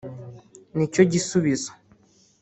nicyo gisubizo